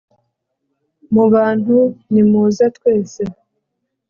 mu bantu; nimuze twese